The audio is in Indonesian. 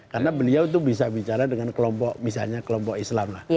karena beliau itu bisa bicara dengan kelompok misalnya kelompok islam lah